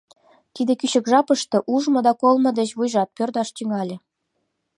Тиде кӱчык жапыште ужмо да колмо деч вуйжат пӧрдаш тӱҥале.